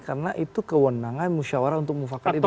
karena itu kewenangan musyawarah untuk mufakat itu berapa